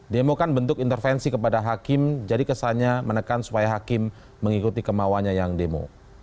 demo kan bentuk intervensi kepada hakim jadi kesannya menekan supaya hakim mengikuti kemauannya yang demo